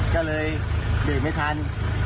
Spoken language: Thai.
ก็เลยดื่มไม่ทัน